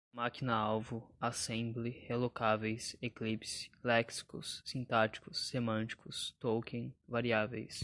máquina-alvo, assembly, relocáveis, eclipse, léxicos, sintáticos, semânticos, token, variáveis